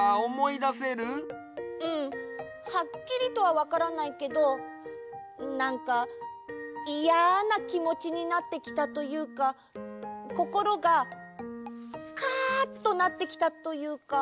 うん。はっきりとはわからないけどなんかイヤなきもちになってきたというかこころがカッとなってきたというか。